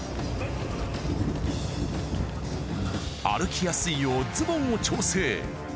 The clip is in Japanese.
歩きやすいようズボンを調整。